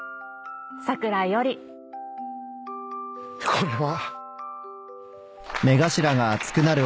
これは。